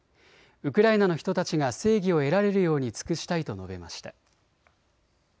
ウクライナの人たちが正義を得られるように尽くしたいと述べました。